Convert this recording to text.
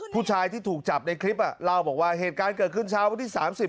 ผู้ชายที่ถูกจับในคลิปเล่าบอกว่าเหตุการณ์เกิดขึ้นเช้าวันที่๓๐